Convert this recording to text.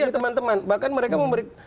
iya iya teman teman